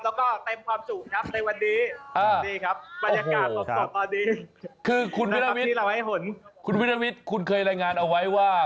แล้วก็เต็มความสุขครับในวันนี้บรรยากาศสดตอนนี้คุณวิรวิทย์คุณเคยรายงานเอาไว้ว่า